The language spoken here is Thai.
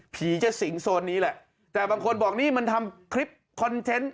ผีจะสิงโซนนี้แหละแต่บางคนบอกนี่มันทำคลิปคอนเทนต์